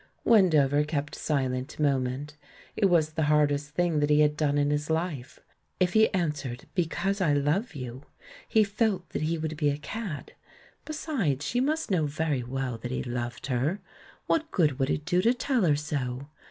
Wendover kept silent a moment — it was the hardest thing that he had done in his hfe. If he answered, "Because I love you," he felt that he would be a cad. Besides, she must know very well that he loved her — what good would it do to tell her so?